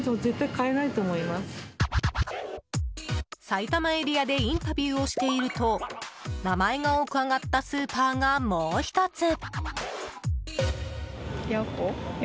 埼玉エリアでインタビューをしていると名前が多く上がったスーパーがもう１つ。